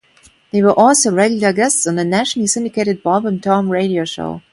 They were also regular guests on the nationally syndicated "Bob and Tom Radio Show".